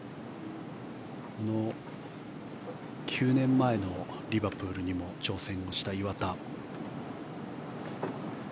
９年前のリバプールにも挑戦をした岩田。